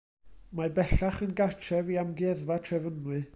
Mae bellach yn gartref i Amgueddfa Trefynwy.